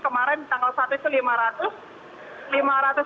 kemarin tanggal satu itu lima ratus